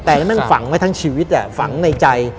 แต่แม่งฝังไว้ทั้งชีวิตฝังในใจ